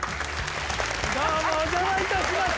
どうもお邪魔いたします